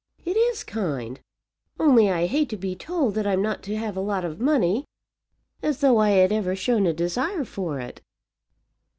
"It is kind; only I hate to be told that I'm not to have a lot of money, as though I had ever shown a desire for it.